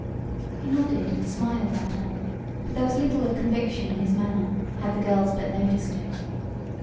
He nodded and smiled at her, but there was little of conviction in his manner, had the girls but noticed it.